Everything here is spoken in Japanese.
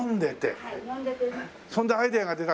それでアイデアが出たんだ。